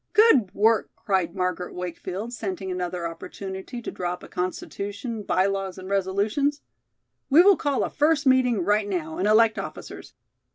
"Good work!" cried Margaret Wakefield, scenting another opportunity to draw up a constitution, by laws and resolutions. "We will call a first meeting right now, and elect officers.